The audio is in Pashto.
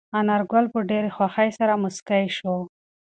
انارګل په ډېرې خوښۍ سره موسکی شو.